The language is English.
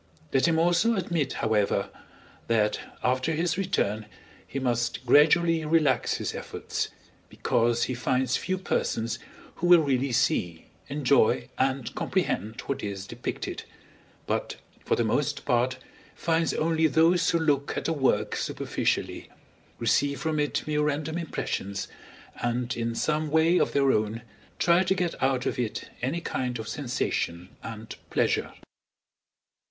Let him also admit, however, that after his return he must gradually relax his efforts, because he finds few persons who will really see, enjoy, and comprehend what is depicted, but, for the most part, finds only those who look at a work superficially, receive from it mere random impressions, and in some way of their own try to get out of it any kind of sensation and pleasure.